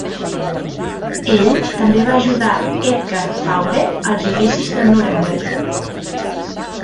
Ell també va ajudar Edgar Faure als Judicis de Nuremberg.